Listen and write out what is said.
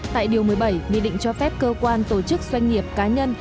tại điều một mươi bảy nghị định cho phép cơ quan tổ chức doanh nghiệp cá nhân